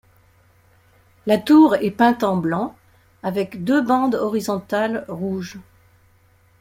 La tour est peinte en blanc avec deux bandes horizontales rouges.